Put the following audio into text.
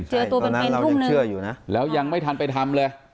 เจอตัวเป็นเป็นตอนนั้นเรายังเชื่ออยู่น่ะแล้วยังไม่ทันไปทำเลย